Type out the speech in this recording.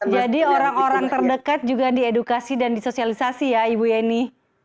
jadi orang orang terdekat juga diedukasi dan disosialisasi ya ibu yeni